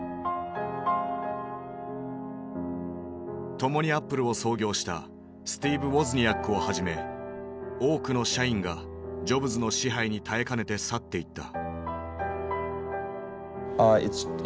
共にアップルを創業したスティーブ・ウォズニアックをはじめ多くの社員がジョブズの支配に耐えかねて去っていった。